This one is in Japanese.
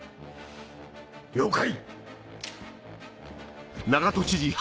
了解！